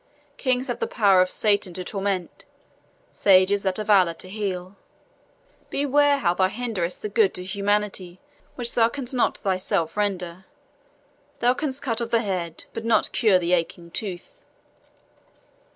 Kings have the power of Satan to torment, sages that of Allah to heal beware how thou hinderest the good to humanity which thou canst not thyself render. Thou canst cut off the head, but not cure the aching tooth."